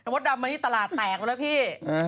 ม็อตดำมาที่ตลาดแตกแล้วล่ะพี่